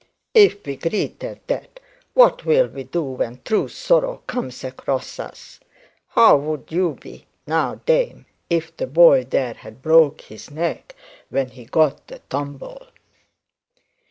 If we greet at that, what'll we do when true sorrow comes across us? How would you be now, dame, if the boy there had broke his neck when he got the tumble?'